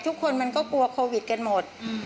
ทุกคนมันก็กลัวโควิดกันหมด